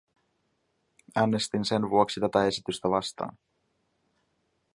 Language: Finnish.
Äänestin sen vuoksi tätä esitystä vastaan.